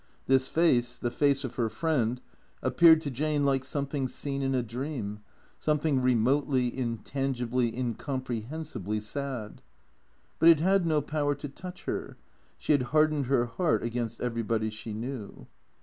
This face, the face of her friend, appeared to Jane like something seen in a dream, something remotely, intangibly, incomprehensibly sad. But it had no power to touch her. She had hardened her heart against everybody she knew.